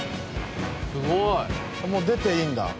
すごい！出ていいんだ。